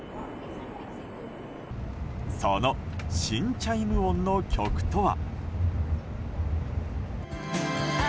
その新チャイム音の曲とは。